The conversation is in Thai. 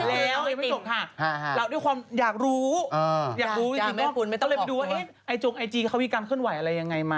แล้วไม่จบค่ะเราด้วยความอยากรู้อย่างนี้ก็พอดูว่าไอ้โจ๊กไอจีเขามีการเคลื่อนไหวอะไรยังไงมั้ย